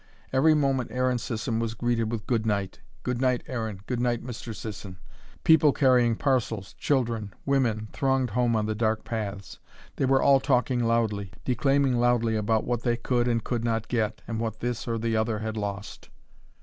Every moment Aaron Sisson was greeted with Good night Good night, Aaron Good night, Mr. Sisson. People carrying parcels, children, women, thronged home on the dark paths. They were all talking loudly, declaiming loudly about what they could and could not get, and what this or the other had lost.